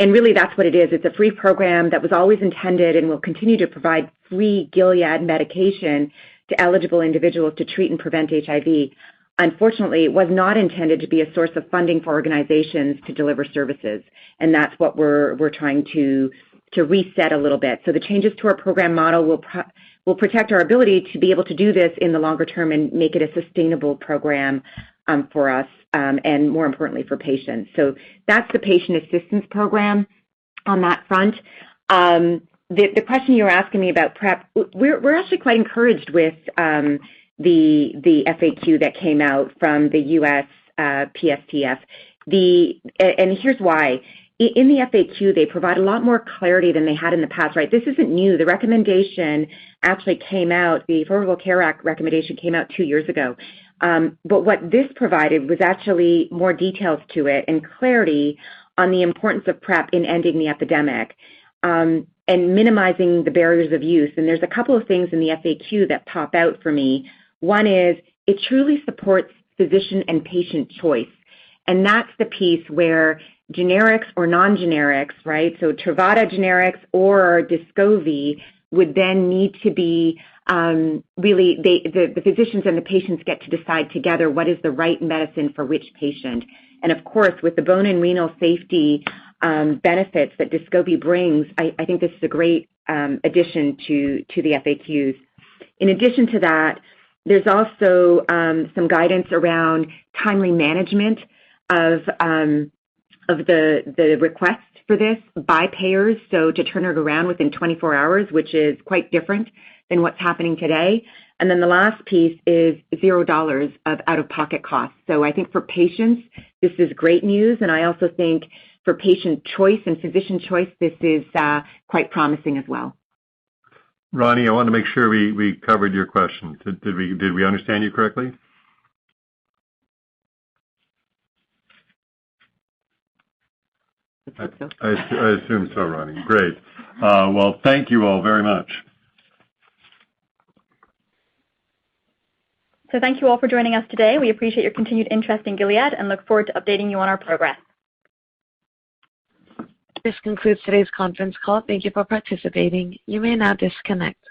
Really that's what it is. It's a free program that was always intended and will continue to provide free Gilead medication to eligible individuals to treat and prevent HIV. Unfortunately, it was not intended to be a source of funding for organizations to deliver services, and that's what we're trying to reset a little bit. The changes to our program model will protect our ability to be able to do this in the longer term and make it a sustainable program for us, and more importantly for patients. That's the patient assistance program on that front. The question you were asking me about PrEP, we're actually quite encouraged with the FAQ that came out from the U.S. PSTF, and here's why. In the FAQ, they provide a lot more clarity than they had in the past. This isn't new. The Affordable Care Act recommendation came out two years ago. What this provided was actually more details to it and clarity on the importance of PrEP in ending the epidemic and minimizing the barriers of use. There's a couple of things in the FAQ that pop out for me. One is it truly supports physician and patient choice, and that's the piece where generics or non-generics, so Truvada generics or DESCOVY, the physicians and the patients get to decide together what is the right medicine for which patient. Of course, with the bone and renal safety benefits that DESCOVY brings, I think this is a great addition to the FAQs. In addition to that, there's also some guidance around timely management of the request for this by payers, so to turn it around within 24 hours, which is quite different than what's happening today. Then the last piece is $0 of out-of-pocket costs. I think for patients, this is great news, and I also think for patient choice and physician choice, this is quite promising as well. Ronny, I want to make sure we covered your question. Did we understand you correctly? I assume so, Ronny. Great. Well, thank you all very much. Thank you all for joining us today. We appreciate your continued interest in Gilead and look forward to updating you on our progress. This concludes today's conference call. Thank you for participating. You may now disconnect.